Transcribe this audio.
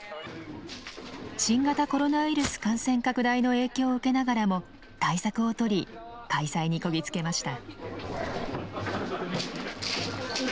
新型コロナウイルス感染拡大の影響を受けながらも対策を取り開催にこぎ着けました。